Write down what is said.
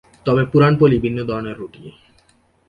তবে পুরান পলি ভিন্ন ধরনের রুটি।